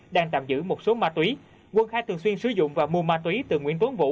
đang tạm giữ một số ma túy quân khai thường xuyên sử dụng và mua ma túy từ nguyễn tuấn vũ